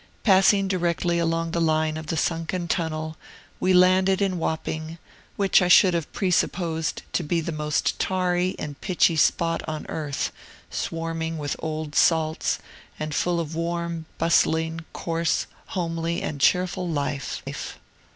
Passing directly along the line of the sunken Tunnel, we landed in Wapping, which I should have presupposed to be the most tarry and pitchy spot on earth, swarming with old salts, and full of warm, bustling, coarse, homely, and cheerful life.